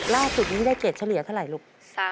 ล่าสุดนี้ได้เกรดเฉลี่ยเท่าไหร่ลูก